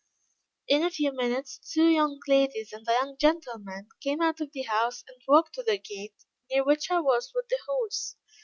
In a few minutes two young ladies, and a young gentleman, came out of the house, and walked to the gate, near which I was with the horse.